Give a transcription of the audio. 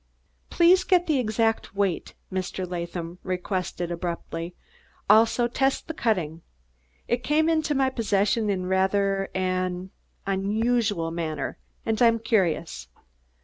"Please get the exact weight," Mr. Latham requested abruptly. "Also test the cutting. It came into my possession in rather an an unusual manner, and I'm curious."